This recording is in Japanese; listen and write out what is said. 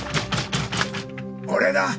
俺だ。